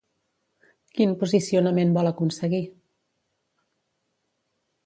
Quin posicionament vol aconseguir?